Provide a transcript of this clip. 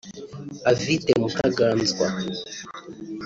Avite Mutaganzwa